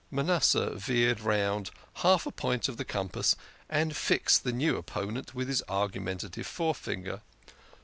Manasseh veered round half a point of the compass, and fixed the new opponent with his argumentative forefinger.